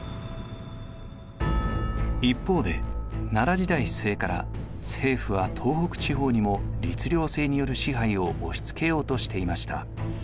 一方で奈良時代末から政府は東北地方にも律令制による支配を押しつけようとしていました。